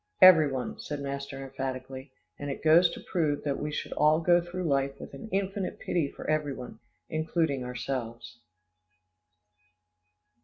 "Every one," said master emphatically, "and it goes to prove that we should all go through life with an infinite pity for every one, including ourselves."